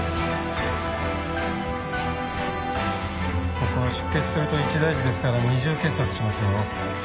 ここは出血すると一大事ですから二重結紮しますよ。